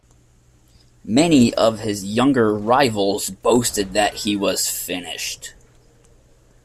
Many of his younger rivals boasted that he was finished.